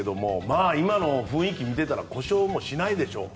まあ今の雰囲気を見てたら故障もしないでしょう。